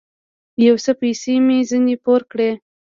يو څه پيسې مې ځنې پور کړې.